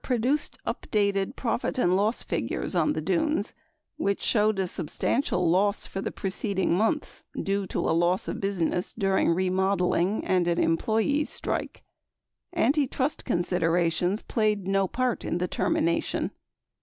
997 produced updated profit and loss figures on the Dunes, 38 which showed a substantial loss for the preceding months due to a loss of business during remodeling and an employees' strike. 39 Antitrust considerations played no part in the termination.